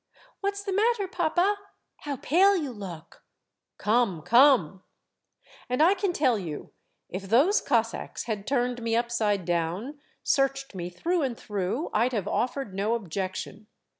"'What's the matter, papa? How pale you look !•' Come, come !'" And I can tell you, if those Cossacks had turned me upside down, searched me through and through, I 'd have offered no objection.